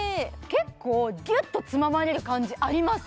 結構ぎゅっとつままれる感じあります